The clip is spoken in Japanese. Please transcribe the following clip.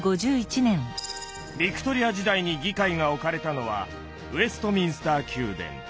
ヴィクトリア時代に議会が置かれたのはウェストミンスター宮殿。